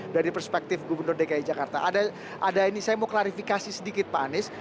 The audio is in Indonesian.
dari perspektif gubernur dki jakarta ada ini saya mau klarifikasi sedikit pak anies